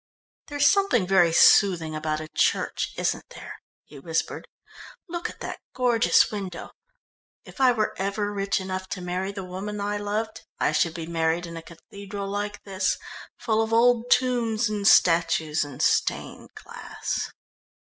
"There's something very soothing about a church, isn't there?" he whispered. "Look at that gorgeous window. If I were ever rich enough to marry the woman I loved, I should be married in a cathedral like this, full of old tombs and statues and stained glass."